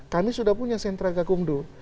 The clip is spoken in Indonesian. kami sudah punya sentraga kumdo